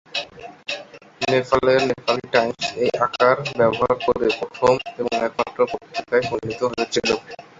নেপালের, "নেপালি টাইমস" এই আকার ব্যবহার করে প্রথম এবং একমাত্র পত্রিকায় পরিণত হয়েছিল।